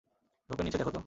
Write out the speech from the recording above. ঝোপের নিচে দেখ তো।